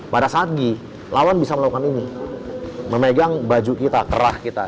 pada saat gi lawan bisa melakukan ini memegang baju kita kerah kita